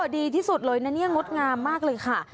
ดีที่สุดเลยนะเนี่ยงดงามมากเลยค่ะ